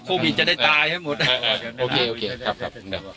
โควิดจะได้ตายให้หมดโอเคโอเคครับครับครับ